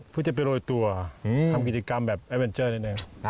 เพื่อจะไปโรยตัวทำกิจกรรมแบบไอเวนเจอร์นิดนึง